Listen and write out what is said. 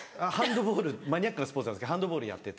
マニアックなスポーツですけどハンドボールやってて。